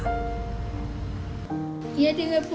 namun ada juga yang tega menipu memanfaatkan kondisi keduanya yang buruk